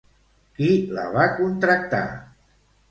Qui la va contractar?